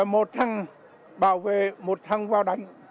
một thằng bảo vệ một thằng vào đánh